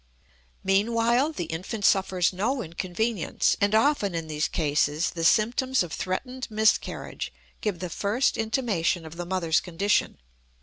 Meanwhile the infant suffers no inconvenience, and often in these cases the symptoms of threatened miscarriage give the first intimation of the mother's condition.